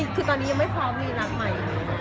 คือตอนนี้ยังไม่พร้อมมีรักใหม่